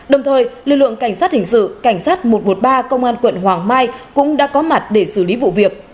đồng thời lực lượng cảnh sát hình sự cảnh sát một trăm một mươi ba công an quận hoàng mai cũng đã có mặt để xử lý vụ việc